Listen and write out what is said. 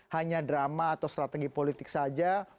hanya drama atau strategi politik saja